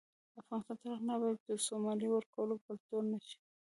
افغانستان تر هغو نه ابادیږي، ترڅو مالیه ورکول کلتور نشي.